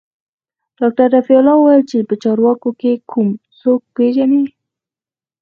ډاکتر رفيع الله وويل چې په چارواکو کښې کوم څوک پېژني.